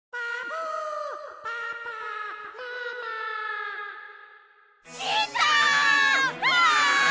うわ！